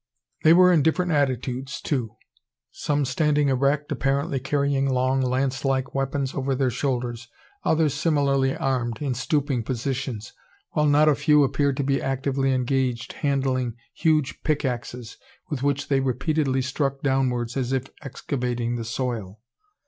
They were in different attitudes too. Some standing erect, apparently carrying long lance like weapons over their shoulders; others similarly armed, in stooping positions; while not a few appeared to be actively engaged, handling huge pickaxes, with which they repeatedly struck downwards, as if excavating the soil!